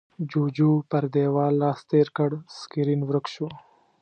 جُوجُو پر دېوال لاس تېر کړ، سکرين ورک شو.